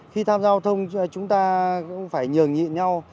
khi tham gia giao thông chúng ta cũng phải nhường nhịn nhau